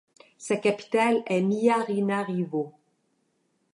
Sa capitale est Miarinarivo.